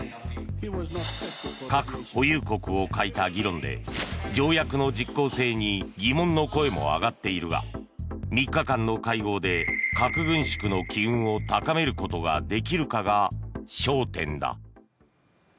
核保有国を欠いた議論で条約の実効性に疑問の声も上がっているが３日間の会合で核軍縮の機運を高めることができるかが焦点だ。